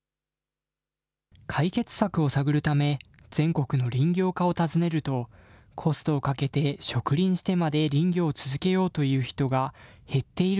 解決策を探るため、全国の林業家を訪ねると、コストをかけて植林してまで林業を続けようという人が減っている